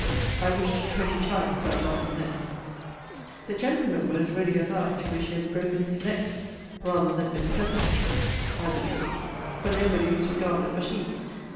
I wished twenty times I had not been there. The gentlemen were as ready as I to wish he had broken his neck, rather than been present, I believe: for nobody was regarded but he.